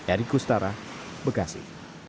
eri kustara bekasi